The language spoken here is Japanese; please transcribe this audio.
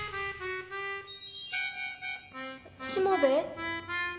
しもべえ？